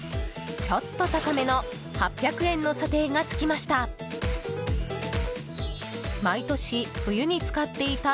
ちょっと高めの８００円の査定がつきました。